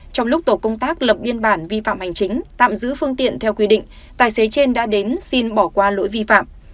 trong lúc tổ công tác lập biên bản vi phạm hành chính tạm giữ phương tiện theo quy định tài xế trên đã đến xin bỏ qua lỗi vi phạm